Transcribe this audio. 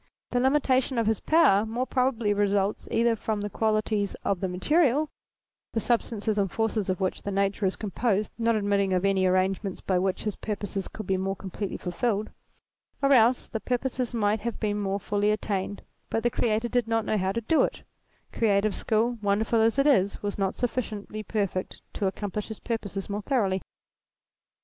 The limitation of his power more probably results either from the qualities of the material the substances and forces of which the universe is composed not admitting of any arrangements by which his purposes could be more completely fulfilled ; or else, the purposes might have been more fully attained, but the Creator did not know how to do it; creative skill, wonderful as it is, was not sufficiently perfect to accomplish his purposes more thoroughly.